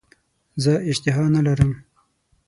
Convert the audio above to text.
زه اشتها نه لرم .